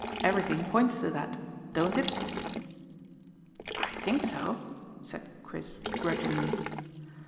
Everything points to that. Don't it?" "I think so," said Chris grudgingly.